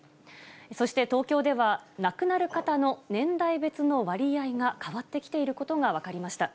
そして東京では、亡くなる方の年代別の割合が変わってきていることが分かりました。